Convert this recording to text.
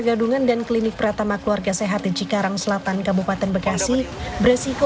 gabungan dan klinik pratama keluarga sehat di cikarang selatan kabupaten bekasi beresiko